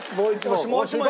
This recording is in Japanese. もう１問。